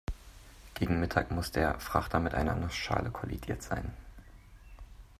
Gegen Mittag muss der Frachter mit einer Nussschale kollidiert sein.